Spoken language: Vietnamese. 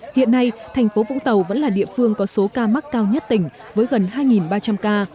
hiện nay thành phố vũng tàu vẫn là địa phương có số ca mắc cao nhất tỉnh với gần hai ba trăm linh ca